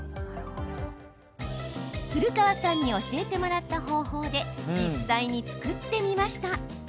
古川さんに教えてもらった方法で実際に作ってみました。